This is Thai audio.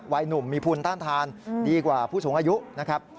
วัยหนุ่มมีภูมิต้านทานดีกว่าผู้สูงอายุนะครับ